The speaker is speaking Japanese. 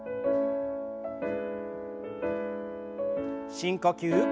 深呼吸。